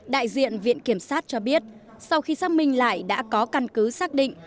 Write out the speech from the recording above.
đại diện viện kiểm sát cho biết sau khi xác minh lại đã có căn cứ xác định